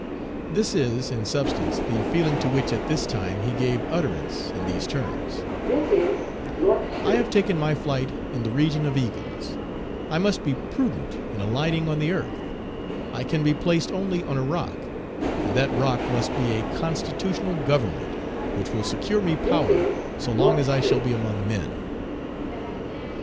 This is, in substance, the feeling to which at this time he gave utterance in these terms: "I have taken my flight in the region of eagles; I must be prudent in alighting on the earth; I can be placed only on a rock; and that rock must be a constitutional government, which will secure me power so long as I shall be among men."